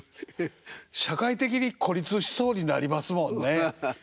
社会的に孤立しそうになりますもんね。